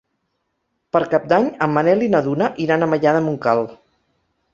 Per Cap d'Any en Manel i na Duna iran a Maià de Montcal.